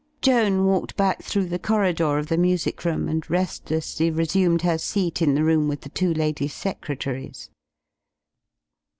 Joan walked back through the corridor of the music room, and restlessly resumed her seat in the room with the two lady secretaries.